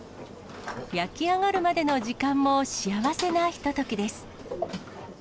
焼き上がるまでの時間も幸せなひとときです。